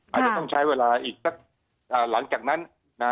อาจจะต้องใช้เวลาอีกสักหลังจากนั้น